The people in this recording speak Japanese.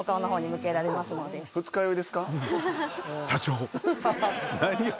「多少」。